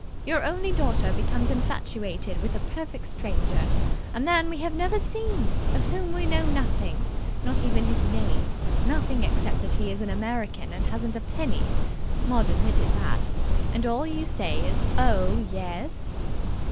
Your only daughter becomes infatuated with a perfect stranger a man we have never seen of whom we know nothing, not even his name nothing except that he is an American and hasn't a penny Maud admitted that. And all you say is 'Oh, yes'!"